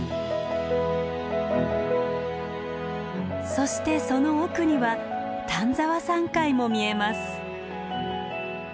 そしてその奥には丹沢山塊も見えます。